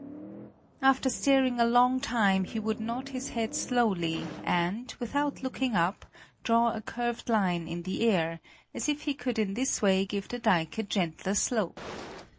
After staring a long time, he would nod his head slowly and, without looking up, draw a curved line in the air, as if he could in this way give the dike a gentler slope.